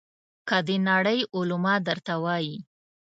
که د نړۍ علما درته وایي.